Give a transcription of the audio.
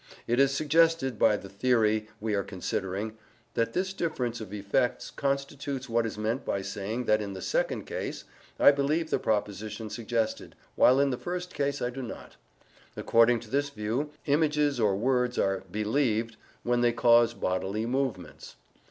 It is suggested, by the theory we are considering, that this difference of effects constitutes what is meant by saying that in the second case I believe the proposition suggested, while in the first case I do not. According to this view, images or words are "believed" when they cause bodily movements.